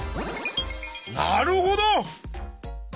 なるほど！